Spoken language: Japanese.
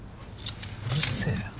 うるせぇよ。